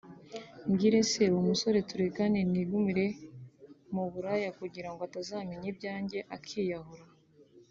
Mbwire se uwo musore turekane nigumire mu buraya kugirango atazamenya ibyanjye akiyahura